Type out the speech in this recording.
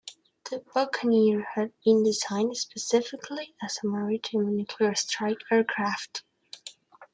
The Buccaneer had been designed specifically as a maritime nuclear strike aircraft.